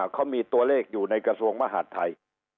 เขามีตัวเลขอยู่ในกระทรวงมหาดไทย